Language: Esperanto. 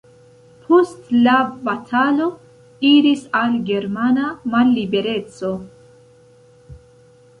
Post la batalo iris al germana mallibereco.